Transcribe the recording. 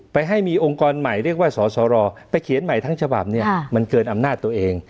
ให้มีองค์กรใหม่เรียกว่าสสรไปเขียนใหม่ทั้งฉบับเนี่ยมันเกินอำนาจตัวเอง